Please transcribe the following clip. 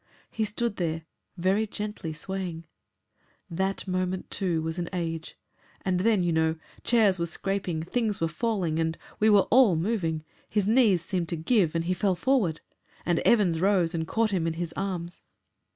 He stood there, very gently swaying. That moment, too, was an age. And then, you know, chairs were scraping, things were falling, and we were all moving. His knees seemed to give, and he fell forward, and Evans rose and caught him in his arms....